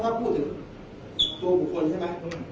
ถ้าพูดถึงตัวบุคคลใช่ไหม